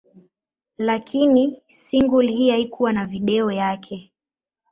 Lakini single hii haikuwa na video yake.